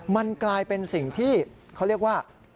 มันกลายเป็นสิ่งที่เขาเรียกว่า